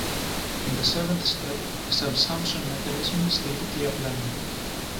In the seventh step, a "subsumption" mechanism is typically applied.